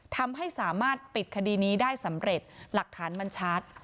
ทำให้สามารถปิดคดีนี้ได้สำเร็จหลักฐานมันชัด